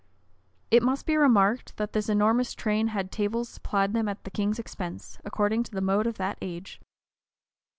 [*] It must be remarked, that this enormous train had tables supplied them at the king's expense, according to the mode of that age.